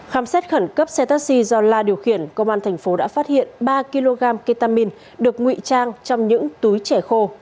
khám xét khẩn cấp xe taxi do la điều khiển công an thành phố đã phát hiện ba kg ketamine được ngụy trang trong những túi trẻ khô